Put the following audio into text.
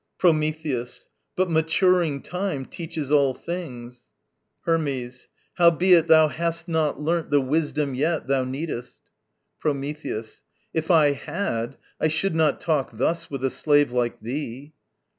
Prometheus. But maturing Time Teaches all things. Hermes. Howbeit, thou hast not learnt The wisdom yet, thou needest. Prometheus. If I had, I should not talk thus with a slave like thee.